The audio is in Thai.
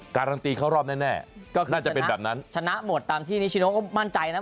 การันตีเขารอบแน่ก็คือชนะชนะหมดตามที่นิชโน้มก็มั่นใจนะ